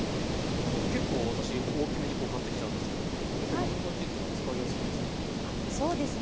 結構私大きめに買ってきちゃうんですけども結構1/4っていうのは使いやすいですか？